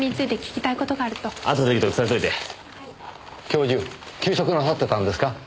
教授休職なさってたんですか？